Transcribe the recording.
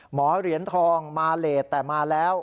หมอเหรียญทองมาเลสแต่มาแล้ว